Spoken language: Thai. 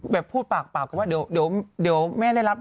แบบพูดปากก็ว่าเดี๋ยวแม่ได้รับ